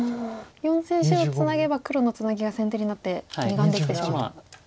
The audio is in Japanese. ４線白ツナげば黒のツナギが先手になって２眼できてしまうと。